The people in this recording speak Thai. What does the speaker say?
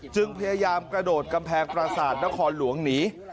จึงพยายามกระโดดกำแพงประสาทนครหลวงหนี